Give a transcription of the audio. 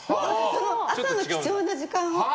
朝の貴重な時間を。